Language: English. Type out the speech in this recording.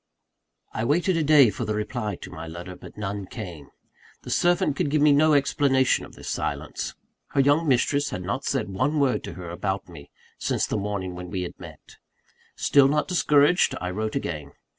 I waited a day for the reply to my letter; but none came. The servant could give me no explanation of this silence. Her young mistress had not said one word to her about me, since the morning when we had met. Still not discouraged, I wrote again.